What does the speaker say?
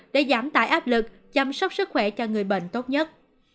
để giảm tải áp lực chăm sóc sức khỏe cho người bệnh tốt nhất